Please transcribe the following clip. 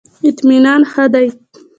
اطمینان ښه دی.